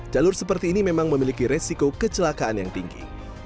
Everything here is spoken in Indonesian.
jalur seperti ini memang memiliki resiko kecelakaan yang tinggi